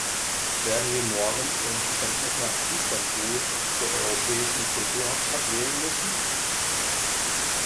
Werden wir morgen Ihrem Verständnis nach „Istanbul“ zur europäischen Kulturhauptstadt wählen müssen?